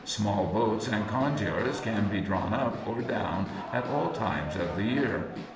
Small boats and cangiars can be drawn up or down at all times of the year.